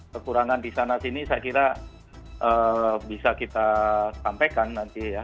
kekurangan di sana sini saya kira bisa kita sampaikan nanti ya